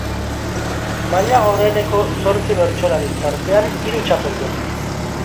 Maila goreneko zortzi bertsolari, tartean hiru txapeldun.